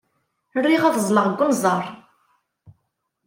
Riɣ ad azzleɣ deg unẓar.